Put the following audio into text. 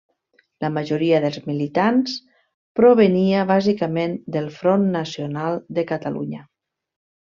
La majoria dels militants provenia, bàsicament, del Front Nacional de Catalunya.